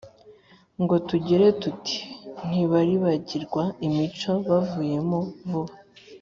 ngo tugire tuti ntibaribagirwa imico bavuyemo vuba,